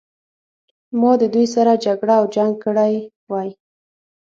ما د دوی سره جګړه او جنګ کړی وای.